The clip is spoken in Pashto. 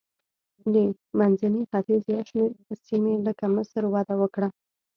د منځني ختیځ یو شمېر سیمې لکه مصر وده وکړه.